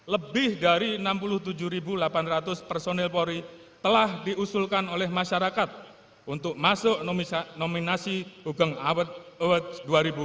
lebih dari enam puluh tujuh delapan ratus personil polri telah diusulkan oleh masyarakat untuk masuk nominasi hugeng awards